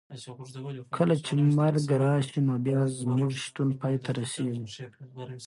کله چې مرګ راشي نو بیا زموږ شتون پای ته رسېږي.